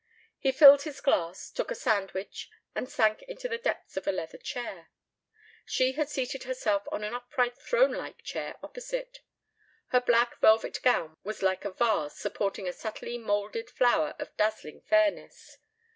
He filled his glass, took a sandwich and sank into the depths of a leather chair. She had seated herself on an upright throne like chair opposite. Her black velvet gown was like a vase supporting a subtly moulded flower of dazzling fairness.